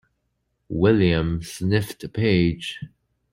William sniffed the page.